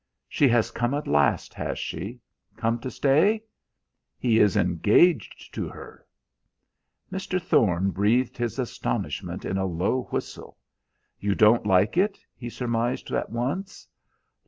"She has come at last, has she? Come to stay?" "He is engaged to her." Mr. Thorne breathed his astonishment in a low whistle. "You don't like it?" he surmised at once.